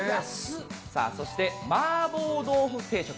そして、麻婆豆腐定食。